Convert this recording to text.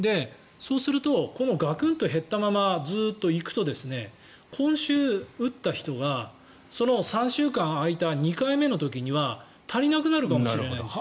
そうするとこのガクンと減ったままずっと行くと今週打った人がその３週間空いた２回目の時には足りなくなるかもしれないんですよ。